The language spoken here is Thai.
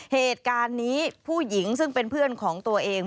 เหตุการณ์นี้ผู้หญิงซึ่งเป็นเพื่อนของตัวเอง